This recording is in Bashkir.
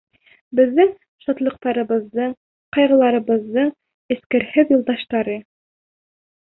Беҙҙең шатлыҡтарыбыҙҙың, ҡайғыларыбыҙҙың эскерһеҙ юлдаштары!